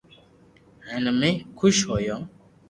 ھين امي خوݾ ھويو